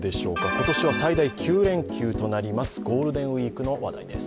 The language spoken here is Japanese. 今年は最大９連休となりますゴールデンウイークの話題です。